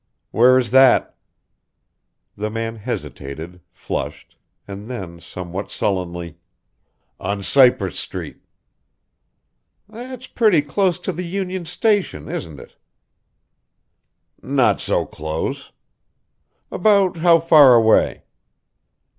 "Where is that?" The man hesitated, flushed, and then, somewhat sullenly: "On Cypress Street." "That's pretty close to the Union Station, isn't it?" "Not so close." "About how far away?"